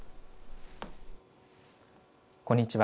こんにちは。